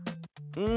うん！